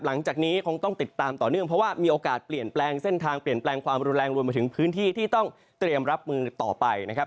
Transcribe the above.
หลังจากนี้คงต้องติดตามต่อเนื่องเพราะว่ามีโอกาสเปลี่ยนแปลงเส้นทางเปลี่ยนแปลงความรุนแรงรวมมาถึงพื้นที่ที่ต้องเตรียมรับมือต่อไปนะครับ